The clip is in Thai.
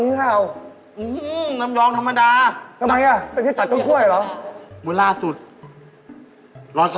อีลำยองน่ะมันท้อง